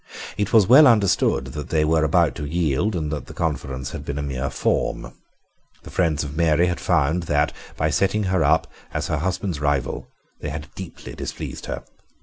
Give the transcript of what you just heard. It was well understood that they were about to yield, and that the conference had been a mere form. The friends of Mary had found that, by setting her up as her husband's rival, they had deeply displeased her.